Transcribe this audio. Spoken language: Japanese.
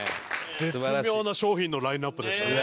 絶妙な商品のラインアップでしたね。